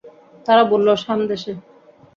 তারা বলল, শাম দেশে।